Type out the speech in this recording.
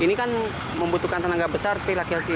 ini kan membutuhkan tenaga besar p laki laki